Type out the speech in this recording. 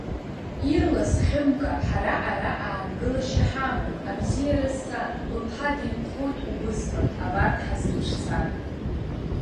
Ирлас, Хьымка, ҳара ара аангылашьа ҳамам, абзиараз сан, быԥҳа деиқәхоит убысҟан, абарҭ ҳазрыцәцар.